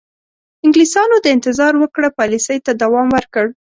انګلیسیانو د انتظار وکړه پالیسۍ ته دوام ورکړ.